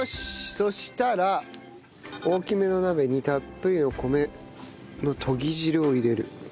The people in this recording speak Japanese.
そうしたら大きめの鍋にたっぷりの米のとぎ汁を入れる。